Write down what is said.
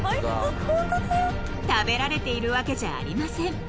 ［食べられているわけじゃありません］